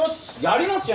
やります！